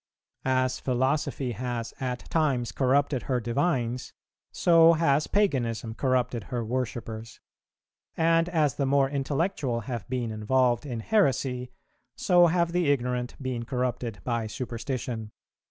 As philosophy has at times corrupted her divines, so has paganism corrupted her worshippers; and as the more intellectual have been involved in heresy, so have the ignorant been corrupted by superstition.